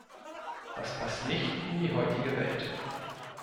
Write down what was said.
Das passt nicht in die heutige Welt.